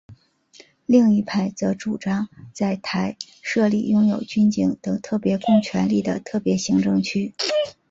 另一派则主张在台设立拥有军警等特别公权力的特别行政区。